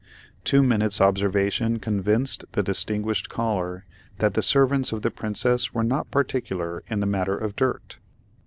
Two minutes' observation convinced the distinguished caller that the servants of the Princess were not particular in the matter of dirt.